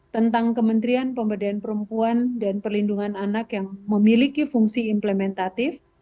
tentang kementerian pemberdayaan perempuan dan perlindungan anak yang memiliki fungsi implementatif